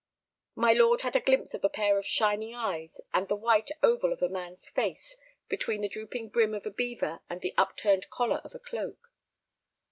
My lord had a glimpse of a pair of shining eyes and the white oval of a man's face between the drooping brim of a beaver and the upturned collar of a cloak.